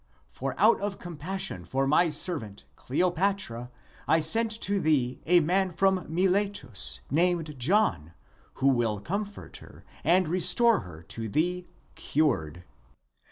For out of compassion for my serv ant Cleopatra, I sent to thee a man from Miletus, named John, who will comfort her and restore her to thee cured.